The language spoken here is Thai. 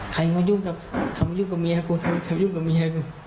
ใครมันยุ่งกับเขามันยุ่งกับเมียกูใครมันยุ่งกับเมียกู